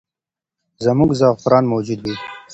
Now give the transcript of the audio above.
زموږ زعفران موجود وي.